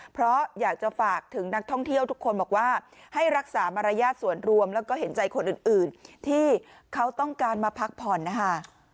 เพราะอยากจะฝากถึงนักท่องเที่ยวทุกคนบอกว่าให้รักษามารยาทส่วนรวมแล้วก็เห็นใจคนอื่นที่เขาต้องการมาพักผ่อนนะคะ